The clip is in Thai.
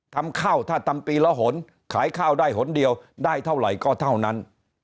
ทำข้าวถ้าทำปีละหนขายข้าวได้หนเดียวได้เท่าไหร่ก็เท่านั้น